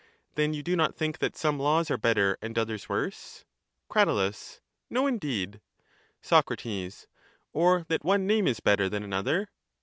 Then you do not think that some laws are better and others worse? Crat. No, indeed. Soc. Or that one name is better than another?